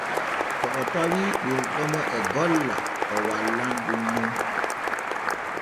To o tawii ɓurɗomo e golla o wallan ɗun non.